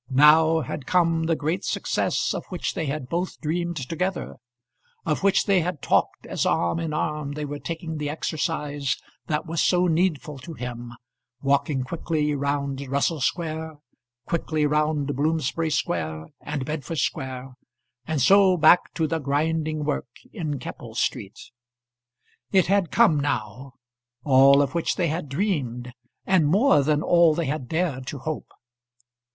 Now had come the great success of which they had both dreamed together, of which they had talked as arm in arm they were taking the exercise that was so needful to him, walking quickly round Russell Square, quickly round Bloomsbury Square and Bedford Square, and so back to the grinding work in Keppel Street. It had come now all of which they had dreamed, and more than all they had dared to hope.